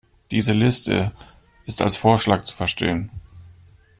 Diese Liste ist als Vorschlag zu verstehen.